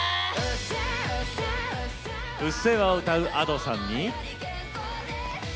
「うっせぇわ」を歌うＡｄｏさんに。